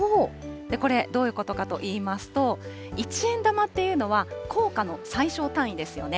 これ、どういうことかといいますと、一円玉っていうのは、硬貨の最小単位ですよね。